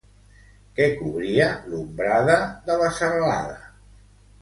Què cobria l'ombrada de la serralada?